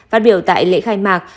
phát biểu tại lễ khai mạc